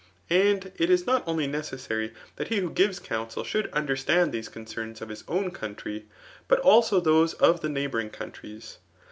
And it is not only necessary that he who gives counsel ^ould uAderstand diese concerns of his own country, but also those of the neighbouring countries.